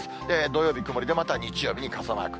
土曜日曇りで、また日曜日に傘マーク。